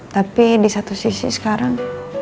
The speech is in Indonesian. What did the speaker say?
tapi di satu sisi sekarang